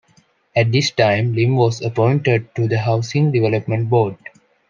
At this time, Lim was appointed to the Housing Development Board.